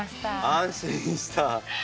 安心した。